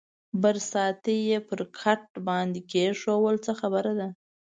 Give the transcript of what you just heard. برساتۍ یې پر کټ باندې کېښوول، څه خبره ده؟